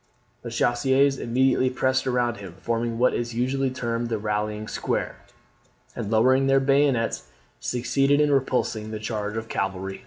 The chasseurs immediately pressed around him, forming what is usually termed the rallying square, and, lowering their bayonets, succeeded in repulsing the charge of cavalry.